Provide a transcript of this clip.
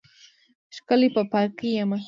ښکلی په پاکۍ یمه